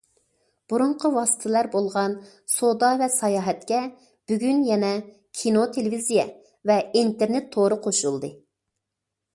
بۇرۇنقى ۋاسىتىلەر بولغان سودا ۋە ساياھەتكە بۈگۈن يەنە كىنو- تېلېۋىزىيە ۋە ئىنتېرنېت تورى قوشۇلدى.